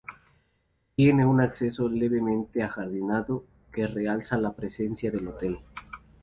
Tiene un acceso levemente ajardinado que realza la presencia del hotel.